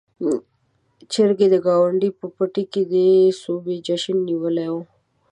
چرګې د ګاونډي په پټي کې د سوبې جشن نيولی و.